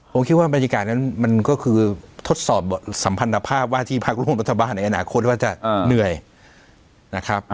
ผมคิดว่าบรรยากาศนั้นมันก็คือทดสอบสัมพันธภาพว่าที่พักร่วมรัฐบาลในอนาคตว่าจะเหนื่อยนะครับ